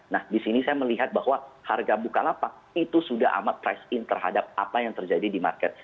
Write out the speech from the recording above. nah di sini saya melihat bahwa harga bukalapak itu sudah amat price in terhadap apa yang terjadi di market